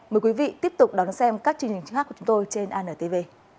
mời quý vị tiếp tục đón xem các chương trình trước của chúng tôi trên antv